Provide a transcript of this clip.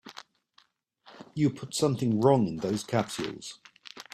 You put something wrong in those capsules.